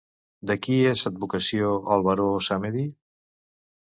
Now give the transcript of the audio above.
De qui és advocació el Baró Samedi?